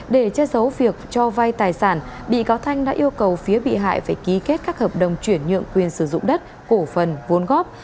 để che giấu việc cho vai tài sản bị cáo thanh đã yêu cầu phía bị hại phải ký kết các hợp đồng chuyển nhượng quyền sử dụng đất cổ phần vốn góp